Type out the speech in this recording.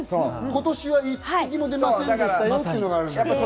今年は１匹も出ませんでしたよっていうのがあるから。